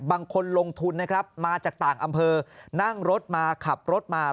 บางคนลงทุนนะครับมาจากต่างอำเภอนั่งรถมาขับรถมา